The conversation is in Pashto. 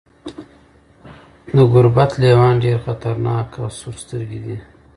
د ګوربت لیوان ډیر خطرناک او سورسترګي دي.